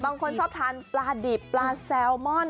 บางคนชอบทานปลาดิบปลาแซลมอน